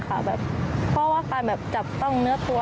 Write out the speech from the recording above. เพราะว่าการแบบจับต้องเนื้อตัว